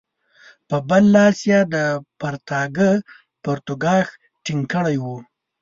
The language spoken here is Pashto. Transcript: په بل لاس یې د پرتاګه پرتوګاښ ټینګ کړی وو.